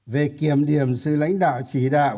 về kiểm điểm sự lãnh đạo chỉ đạo